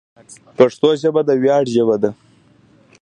پښتو ژبه د ویاړ ژبه ده.